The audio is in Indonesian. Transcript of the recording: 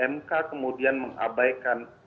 mk kemudian mengabaikan